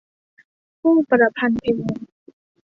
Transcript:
ผู้ประพันธ์เพลง